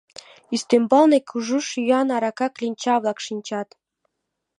Ӱстембалне кужу шӱян арака кленча-влак шинчат.